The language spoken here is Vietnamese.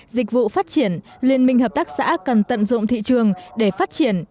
dịch vụ phát triển liên minh hợp tác xã cần tận dụng thị trường để phát triển